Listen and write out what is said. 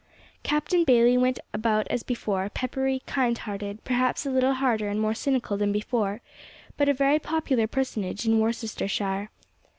Captain Bayley went about as before, peppery, kind hearted, perhaps a little harder and more cynical than before, but a very popular personage in Worcestershire.